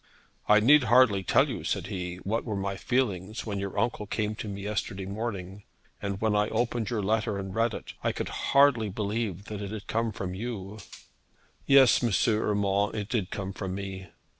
'I need hardly tell you,' said he, 'what were my feelings when your uncle came to me yesterday morning. And when I opened your letter and read it, I could hardly believe that it had come from you.' 'Yes, M. Urmand; it did come from me.'